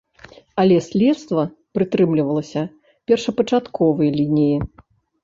Але следства прытрымлівалася першапачатковай лініі.